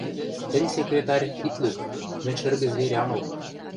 Тӹнь, секретарь, ит лӱд, мӹнь шӹргӹ зверь ам ыл.